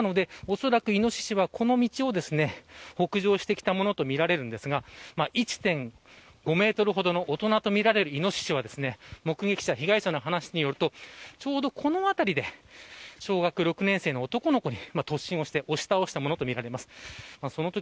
イノシシはおそらくこの道を北上してきたものとみられますが１．５メートルほどの大人とみられるイノシシは目撃者、被害者の話によるとちょうどこの辺りで小学６年生の男の子に突進をして押し倒したものとみられます。